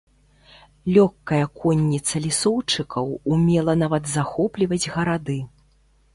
Лёгкая конніца лісоўчыкаў умела нават захопліваць гарады.